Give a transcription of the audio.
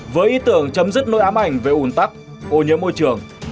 với ý tưởng chấm dứt nỗi ám ảnh về ủn tắc ô nhiễm môi trường